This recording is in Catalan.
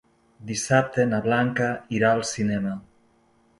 Dissabte na Blanca irà al cinema.